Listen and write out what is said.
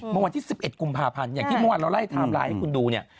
เมื่อวันที่๑๑กุมภาพันธ์อย่างที่เมื่อวานเราไล่ไทม์ไลน์ให้คุณดูเนี่ย